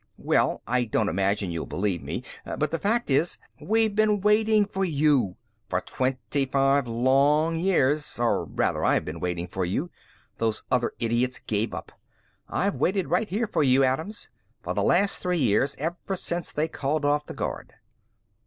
"Well, I don't imagine you'll believe me, but the fact is...." "We've been waiting for you. For twenty five long years! Or, rather, I've been waiting for you. Those other idiots gave up. I've waited right here for you, Adams, for the last three years, ever since they called off the guard."